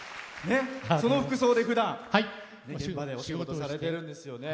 その服装でふだんお仕事されてるんですよね。